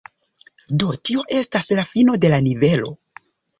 Do tio estas la fino de la nivelo.